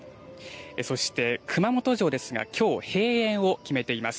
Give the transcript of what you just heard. そして熊本城ですがきょう閉園を決めています。